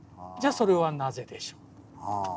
じゃそれはなぜでしょう？はあ。